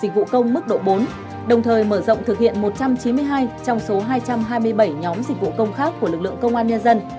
dịch vụ công mức độ bốn đồng thời mở rộng thực hiện một trăm chín mươi hai trong số hai trăm hai mươi bảy nhóm dịch vụ công khác của lực lượng công an nhân dân